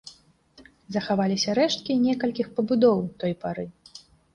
Захаваліся рэшткі некалькіх пабудоў той пары.